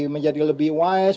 menjadi lebih wise